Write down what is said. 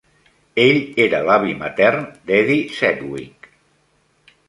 Ell era l"avi matern d'Edie Sedgwick.